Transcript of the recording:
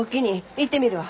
行ってみるわ。